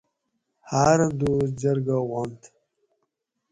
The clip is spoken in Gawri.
ہارہ دوس جرگاۤ وانتھ